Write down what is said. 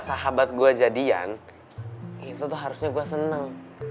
nah abad gue jadian itu tuh harusnya gue seneng